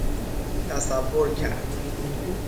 تصور کرد